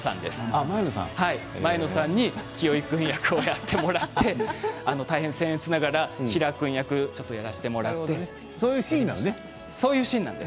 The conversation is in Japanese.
前野さんに清居君役をやってもらってせん越ながら平良君役をやらせていただいて。